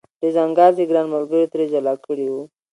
ډز انګاز یې ګران ملګري ترې جلا کړی و.